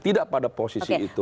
tidak pada posisi itu